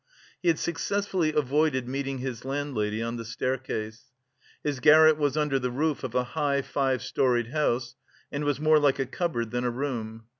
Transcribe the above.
He had successfully avoided meeting his landlady on the staircase. His garret was under the roof of a high, five storied house and was more like a cupboard than a room.